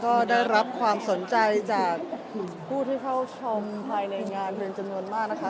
ก็ได้รับความสนใจจากผู้ที่เข้าชมภายในงานเป็นจำนวนมากนะคะ